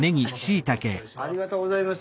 ありがとうございます！